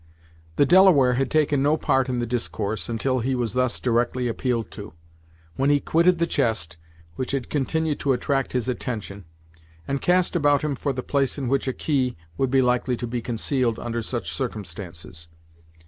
The Delaware had taken no part in the discourse until he was thus directly appealed to, when he quitted the chest, which had continued to attract his attention, and cast about him for the place in which a key would be likely to be concealed under such circumstances.